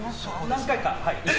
何回か。